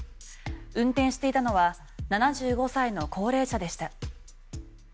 運転していたのは７５歳の高齢者でした。